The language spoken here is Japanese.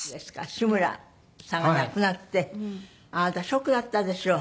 志村さんが亡くなってあなたショックだったでしょう？